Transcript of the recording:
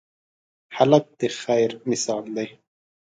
هلک د خیر مثال دی.